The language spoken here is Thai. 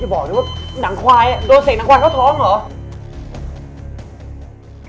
บอกด้วยว่าหนังควายโดนเสกหนังควายเข้าท้องเหรอ